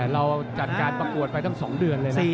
เราจัดการประกวดไปตั้ง๒เดือนเลยนะ